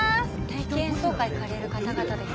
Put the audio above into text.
定期演奏会行かれる方々ですか？